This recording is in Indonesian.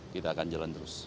kita akan jalan terus